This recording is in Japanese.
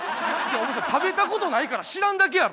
食べたことないから知らんだけやろ？